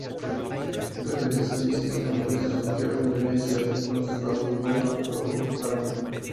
La Princesa Alicia y su familia se refugiaron en Venecia, entonces bajo dominio austro-húngaro.